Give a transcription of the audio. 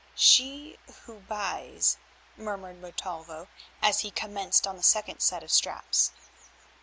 "She who buys," murmured Montalvo as he commenced on the second set of straps.